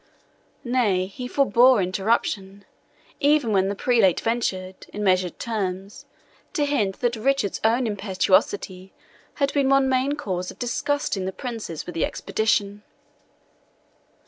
Nay, he forbore interruption, even when the prelate ventured, in measured terms, to hint that Richard's own impetuosity had been one main cause of disgusting the princes with the expedition.